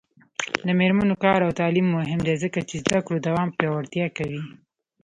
د میرمنو کار او تعلیم مهم دی ځکه چې زدکړو دوام پیاوړتیا کوي.